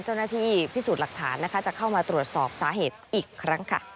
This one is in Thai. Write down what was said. เจ้าหน้าที่พิสูจน์หลักฐานนะคะจะเข้ามาตรวจสอบสาเหตุอีกครั้งค่ะ